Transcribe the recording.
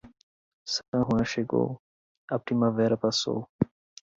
San Juan chegou, a primavera passou.